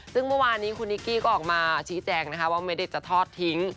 ซึ่งเมื่อวานนี้คุณนิกกี้ก็ออกมาชี้แจงนะคะว่าไม่ได้จะทอดทิ้ง